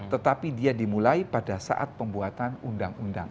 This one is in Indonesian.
tetapi dia dimulai pada saat pembuatan undang undang